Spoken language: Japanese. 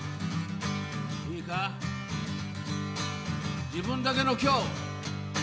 いいか、自分だけの今日。